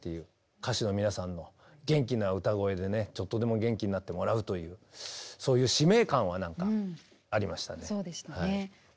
歌手の皆さんも元気な歌声でちょっとでも元気になってもらうというそういう使命感はありましたね。